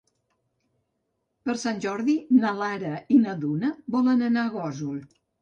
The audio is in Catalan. Per Sant Jordi na Lara i na Duna volen anar a Gósol.